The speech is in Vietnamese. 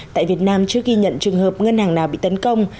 tại việt nam trước khi nhận trường hợp ngân hàng nào bị tấn công